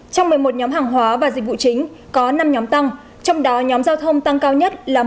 trong một mươi một nhóm hàng hóa và dịch vụ chính có năm nhóm tăng trong đó nhóm giao thông tăng cao nhất là một một mươi chín